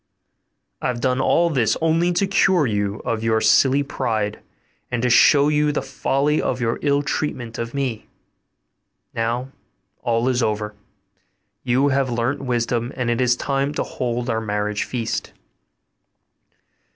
I have done all this only to cure you of your silly pride, and to show you the folly of your ill treatment of me. Now all is over: you have learnt wisdom, and it is time to hold our marriage feast.